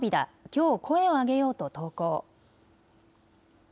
きょう、声をあげようと投稿。